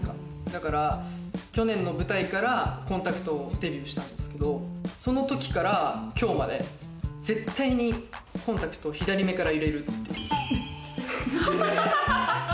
だから去年の舞台からコンタクトデビューしたんですけど、その時から今日まで絶対にコンタクト、左目から入れるっていう。